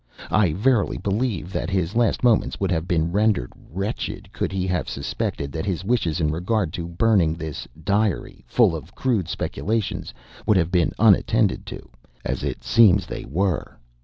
I verily believe that his last moments would have been rendered wretched, could he have suspected that his wishes in regard to burning this 'Diary' (full of crude speculations) would have been unattended to; as, it seems, they were.